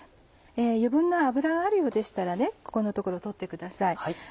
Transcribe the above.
余分な脂があるようでしたらここの所を取ってください。